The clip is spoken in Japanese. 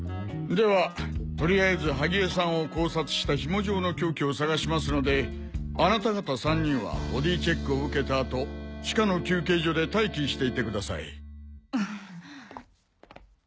ではとりあえず萩江さんを絞殺したヒモ状の凶器を探しますのであなた方３人はボディーチェックを受けた後地下の休憩所で待機していてください。